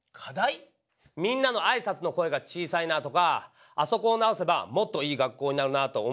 「みんなのあいさつの声が小さいな」とか「あそこを直せばもっといい学校になるな」と思うことあるだろ？